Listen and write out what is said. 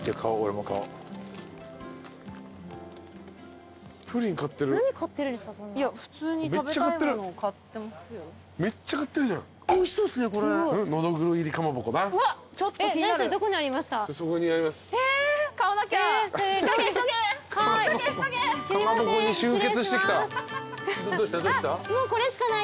もうこれしかないですよ。